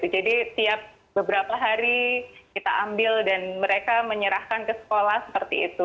jadi setiap beberapa hari kita ambil dan mereka menyerahkan ke sekolah seperti itu